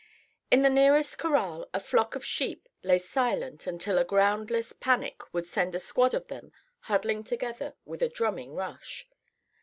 In the nearest corral a flock of sheep lay silent until a groundless panic would send a squad of them huddling together with a drumming rush.